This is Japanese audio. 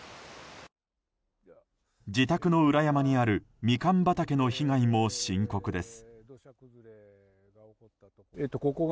自宅の裏山にあるミカン畑の被害も深刻です。